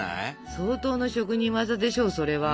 相当の職人技でしょうそれは。